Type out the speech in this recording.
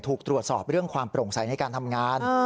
ถูกตรวจสอบเรื่องความโปร่งใสในการทำงาน